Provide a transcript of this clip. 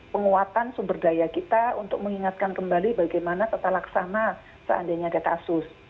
penguatan sumber daya kita untuk mengingatkan kembali bagaimana tetap laksana seandainya data asus